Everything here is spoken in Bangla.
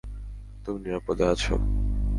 তুমি নিরাপদে আছো।